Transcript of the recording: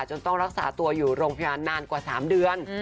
จนต้องรักษาตัวอยู่ร่งพิวัณฑ์นานกว่า๓เดือน